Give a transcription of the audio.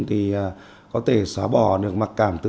thì có thể xóa bỏ được mặc cảm tự do